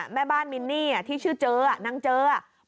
แม่บ้านมินนี่ที่ชื่อเจอนางเจออ่ะ